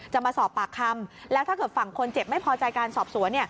จะมาสอบปากคำแล้วถ้าเกิดฝั่งคนเจ็บไม่พอใจการสอบสวน